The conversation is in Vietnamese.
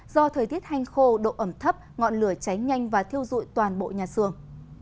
do thời tiết hanh khô độ ẩm thấp ngọn lửa cháy nhanh và thiêu dụi toàn bộ nhà xưởng